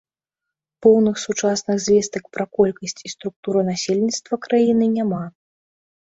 Поўных сучасных звестак пра колькасць і структуру насельніцтва краіны няма.